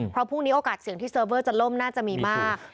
เพราะพรุ่งนี้โอกาสเสี่ยงที่เซิร์ฟเวอร์จะล่มน่าจะมีมาก